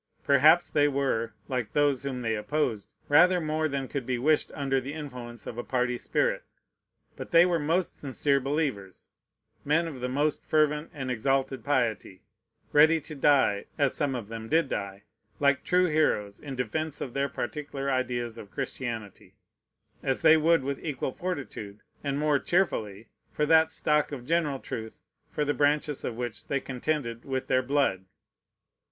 Perhaps they were (like those whom they opposed) rather more than could be wished under the influence of a party spirit; but they were most sincere believers; men of the most fervent and exalted piety; ready to die (as some of them did die) like true heroes in defence of their particular ideas of Christianity, as they would with equal fortitude, and more cheerfully, for that stock of general truth for the branches of which they contended with their blood.